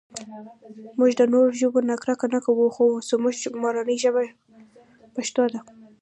مونږ د نورو ژبو نه کرکه نهٔ کوؤ خو زمونږ مورنۍ ژبه پښتو ده